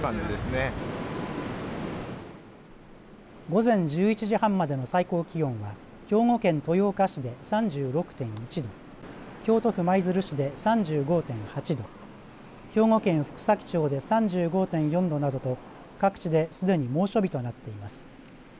午前１１時半までの最高気温は兵庫県豊岡市で３６．１度京都府舞鶴市で３５．８度兵庫県福崎町で３５．４度などと各地ですでに猛暑日となっています。